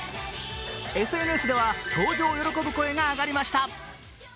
ＳＮＳでは登場を喜ぶ声が上がりました。